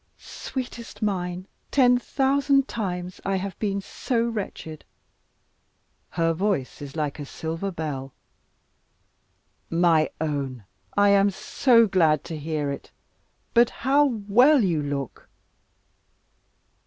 "Sweetest mine, ten thousand times, I have been so wretched." Her voice is like a silver bell. "My own, I am so glad to hear it. But how well you look!"